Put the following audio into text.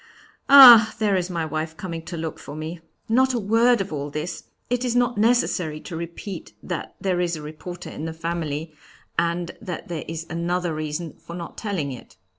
Ah! there is my wife coming to look for me. Not a word of all this! It is not necessary to repeat that there is a reporter in the family, and there is another reason for not telling it.